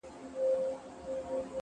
سیاه پوسي ده!! ورځ نه ده شپه ده!!